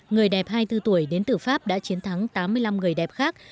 người đẹp hai mươi bốn tuổi đến từ pháp đã chiến thắng tám mươi năm người đẹp khác